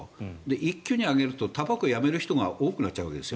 一気に上げるとたばこをやめる人が多くなっちゃうわけです。